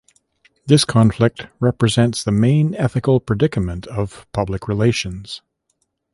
This conflict represents the main ethical predicament of public relations.